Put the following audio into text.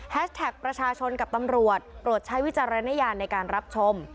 แท็กประชาชนกับตำรวจโปรดใช้วิจารณญาณในการรับชม